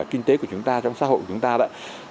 trong cái kinh tế của chúng ta trong xã hội của chúng ta ạ